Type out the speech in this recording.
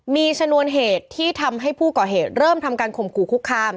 มีชนวนเหตุที่ทำให้ผู้ก่อเหตุเริ่มทำการข่มขู่คุกคาม